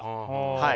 はい。